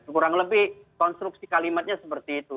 kurang lebih konstruksi kalimatnya seperti itu